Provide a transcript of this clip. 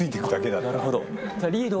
なるほど。